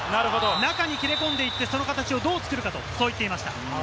中に切れ込んでいって、その形をどう作るかと言っていました。